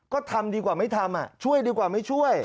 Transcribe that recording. ก็ทำดีกว่าไม่ทำช่วยดีกว่าไม่ช่วย